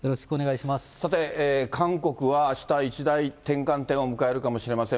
さて、韓国は、あした一大転換点を迎えるかもしれません。